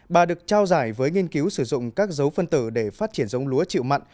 bà được trao giải với nghiên cứu sử dụng các dấu phân tử để phát triển giống lúa chịu mặn